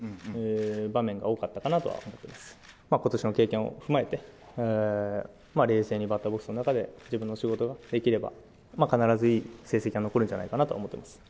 今年の経験を踏まえて、冷静にバッターボックスの中で自分の仕事ができれば必ず成績が残るんじゃないかなと思ってます。